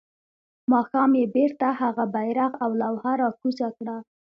ماښام يې بيرته هغه بيرغ او لوحه راکوزه کړه.